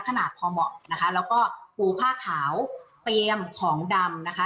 ขนาดพอเหมาะนะคะแล้วก็ปูผ้าขาวเตรียมของดำนะคะ